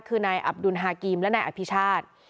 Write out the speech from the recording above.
คือนายอับดุลฮากีมและนายอภิชาติ